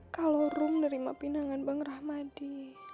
kalau rum nerima pinangan bang ramadhi